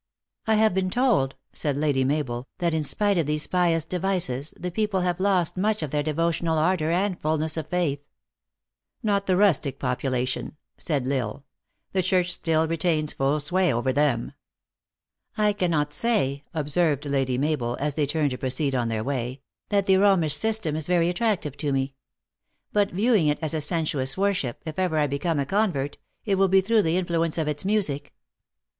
" I have been told, 1 said Lady Mabel, " that in spite of these pious devices, the people have lost much of their devotional ardor and fullness of faith." "Not the rustic population," said L Isle; "the church still retains full sway over them." " I cannot say," observed Lady Mabel, as they turned to proceed on their way, " that the Romish system is very attractive to me. But, viewing it as a sensuous worship, if ever I become a convert, it will be through the influence of its music."